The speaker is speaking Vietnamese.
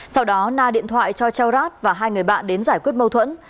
sau đó na điện thoại cho châu rát và hai người bạn đến giải quyết mâu thuẫn